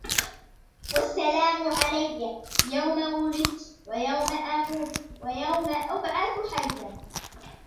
والسلام علي يوم ولدت ويوم أموت ويوم أبعث حيا